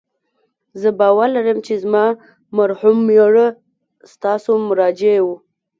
زه باور لرم چې زما مرحوم میړه ستاسو مراجع و